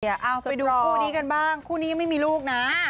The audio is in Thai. เอาไปดูคู่นี้กันบ้างคู่นี้ยังไม่มีลูกนะ